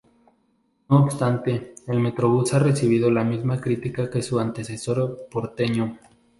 No obstante el Metrobús ha recibido la mismas críticas que su antecesor porteño.